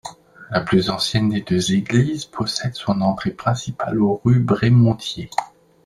La plus ancienne des deux églises possède son entrée principale au rue Brémontier.